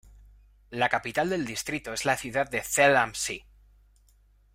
La capital del distrito es la ciudad de Zell am See.